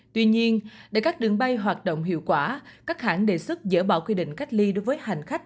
tuy nhiên để các đường bay hoạt động hiệu quả các hãng đề xuất dỡ bỏ quy định cách ly đối với hành khách